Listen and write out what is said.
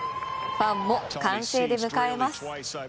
ファンも歓声で迎えます。